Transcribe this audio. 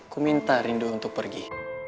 ku minta rindu untuk pergi